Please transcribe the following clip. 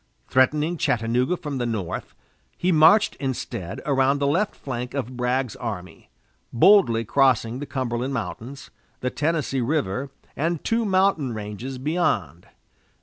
Threatening Chattanooga from the north, he marched instead around the left flank of Bragg's army, boldly crossing the Cumberland Mountains, the Tennessee River, and two mountain ranges beyond.